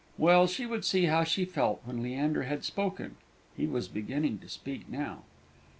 Well, she would see how she felt when Leander had spoken; he was beginning to speak now.